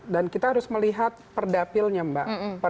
dan kita harus melihat perdapilnya mbak